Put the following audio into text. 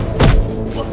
udah pak gausah pak